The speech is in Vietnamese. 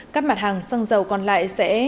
các mặt hàng xăng dầu còn lại sẽ